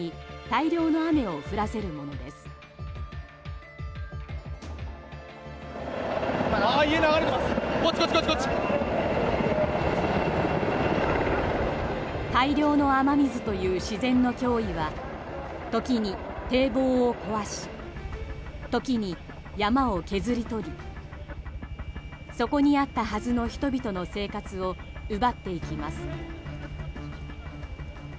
大量の雨水という自然の脅威は時に堤防を壊し時に山を削り取りそこにあったはずの人々の生活を奪っていきます。